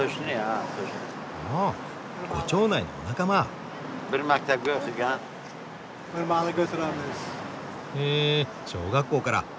あご町内のお仲間。へ小学校から。